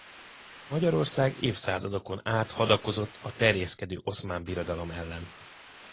Magyarország évszázadokon át hadakozott a terjeszkedő Oszmán Birodalom ellen.